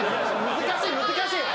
難しい難しい！